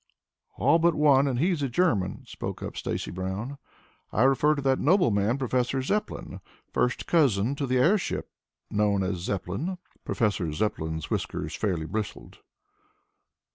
"All but one and he's a German," spoke up Stacy Brown. "I refer to that noble man, Professor Zepplin, first cousin to the airship known as a Zeppelin " Professor Zepplin's whiskers fairly bristled.